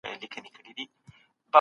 ملتونه د فردي حقونو په اړه څه وایي؟